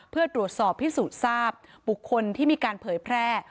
เพื่อตรวจสอบพิสูจน์ทราบบุคคลที่มีการเผยแพร่